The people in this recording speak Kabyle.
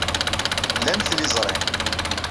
Lan tiliẓri.